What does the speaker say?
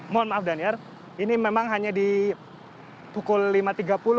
mohon maaf daniar ini memang hanya di pukul lima tiga puluh